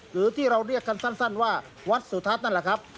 หรือที่เรียกสันว่าวัดสุทธัศน์นั่นล่ะครับ